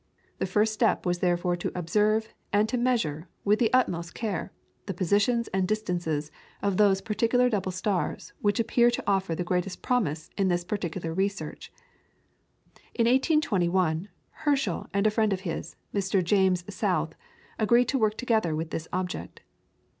The first step was therefore to observe and to measure with the utmost care the positions and distances of those particular double stars which appear to offer the greatest promise in this particular research. In 1821, Herschel and a friend of his, Mr. James South, agreed to work together with this object.